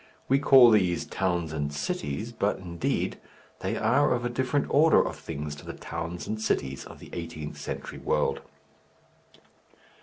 We call these towns and cities, but, indeed, they are of a different order of things to the towns and cities of the eighteenth century world.